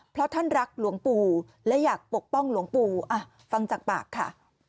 เพราะท่านรักหลวงปู่และอยากปกป้องหลวงปู่ฟังจากปากค่ะ